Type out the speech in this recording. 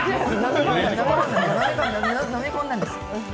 飲み込んだんです。